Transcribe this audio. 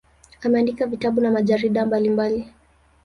Ameandika vitabu na majarida mbalimbali.